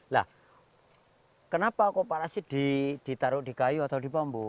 nah kenapa kooparasi ditaruh di kayu atau di bambu